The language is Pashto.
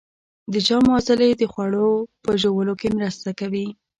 د ژامو عضلې د خوړو په ژوولو کې مرسته کوي.